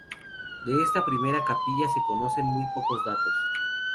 De esta primera capilla se conocen muy pocos datos.